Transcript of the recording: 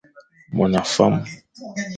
Mon a fam.